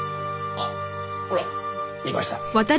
あっほらいました。